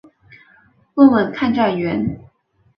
问问看站员